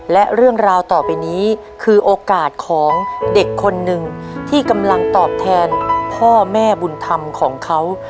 และเรื่องราวต่อไปนี้คือโอกาสของเด็กคนหนึ่งที่กำลังตอบแทนพ่อแม่บุญธรรมของเขา